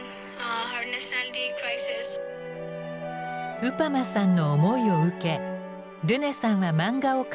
ウパマさんの思いを受けルネさんは漫画を完成。